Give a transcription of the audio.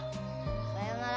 さようなら。